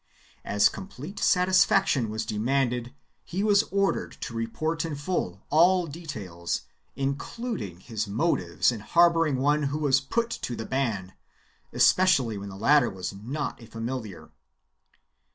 As complete satisfaction was demanded he was ordered to report in full all details, including his motives in harboring one who was put to the ban, especially when the latter was not a familiar.